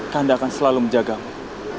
kanda akan selalu menjagamu